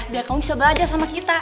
biar kamu bisa belajar sama kita